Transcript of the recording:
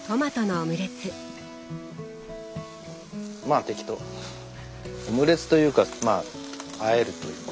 オムレツというかまああえるというか。